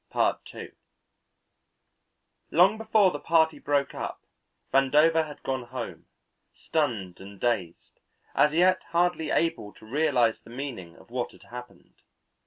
Long before the party broke up Vandover had gone home, stunned and dazed, as yet hardly able to realize the meaning of what had happened.